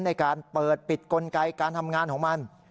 ในการเปิดปิดกลไกการทำงานของมัน